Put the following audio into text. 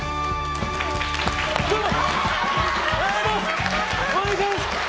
どうも！